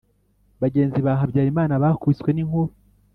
bagenzi ba habyarimana bakubiswe n' inkuba